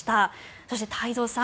そして太蔵さん